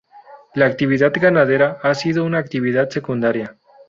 La actividad ganadera, ha sido una actividad secundaria.